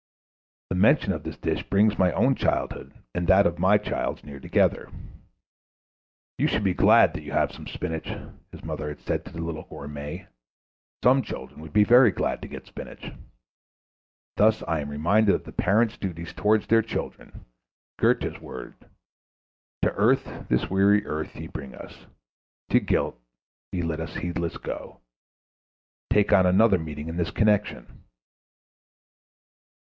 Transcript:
The mention of this dish brings my own childhood and that of my child's near together. "You should be glad that you have some spinach," his mother had said to the little gourmet. "Some children would be very glad to get spinach." Thus I am reminded of the parents' duties towards their children. Goethe's words "To earth, this weary earth, ye bring us, To guilt ye let us heedless go" take on another meaning in this connection.